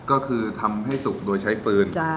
ก็คือทำให้สุกโดยใช้ฟืน